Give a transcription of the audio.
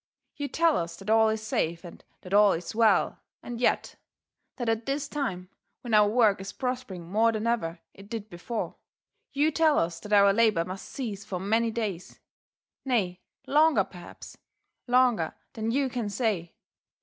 " You tell ds that all is safe and that all is well, and yet, that at this time, when our work ia prospering more than ever it did before, you tell us that our labour miist cease for many days — nay, longer, perhaps, longer than you can say.